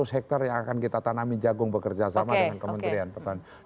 seratus hektare yang akan kita tanami jagung bekerja sama dengan kementerian pertanian